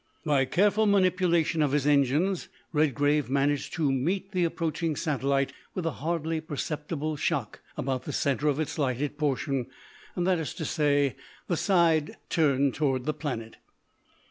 By careful manipulation of his engines Redgrave managed to meet the approaching satellite with a hardly perceptible shock about the centre of its lighted portion, that is to say the side turned towards the planet.